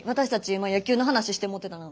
今野球の話してもうてたな。